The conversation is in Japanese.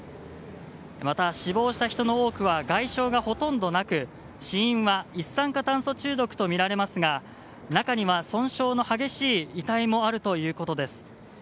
また、死亡した人の多くは外傷がほとんどなく死因は一酸化炭素中毒とみられますが中には損傷の激しい遺体もあるということです。